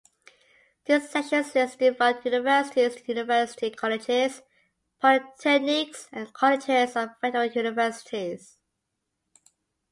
This section lists defunct universities, university colleges, polytechnics and colleges of federal universities.